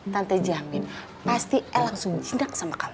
tante jamin pasti el langsung cindak sama kamu